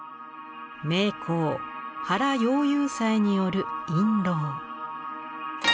名工原羊遊斎による印籠。